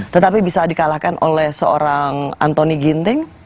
tetapi bisa di kalahkan oleh seorang anthony ginting